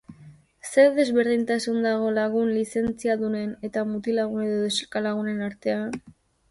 Ze desberdintasun dago lagun lizentziadunen eta mutilagun edo neskalagunen artean?